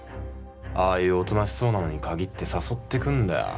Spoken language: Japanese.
ああいうおとなしそうなのにかぎって誘ってくんだよ